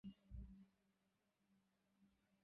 তিনি মিশরে একটি গুরুত্বপূর্ণ অবস্থান অর্জন করেছিলেন।